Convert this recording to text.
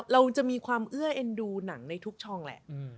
เราจะมีความเอื้อเอ็นดูหนังในทุกช่องแหละ